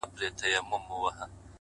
وي لكه ستوري هره شــپـه را روان،